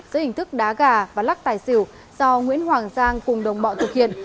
giữa hình thức đá gà và lắc tài xỉu do nguyễn hoàng giang cùng đồng bọn thực hiện